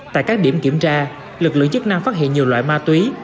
tại các điểm kiểm tra lực lượng chức năng phát hiện nhiều loại ma túy